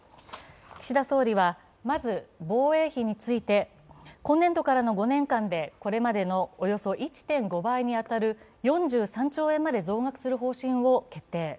岸田総理はまず防衛費について今年度までの５年間でこれまでのおよそ１．５倍に当たる４３兆円まで増額する方針を決定。